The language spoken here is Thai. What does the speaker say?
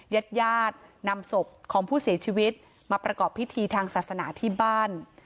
ญาติญาตินำศพของผู้เสียชีวิตมาประกอบพิธีทางศาสนาที่บ้าน